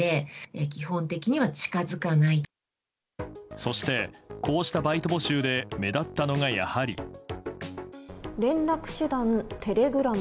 そして、こうしたバイト募集で目立ったのが、やはり。連絡手段、テレグラム。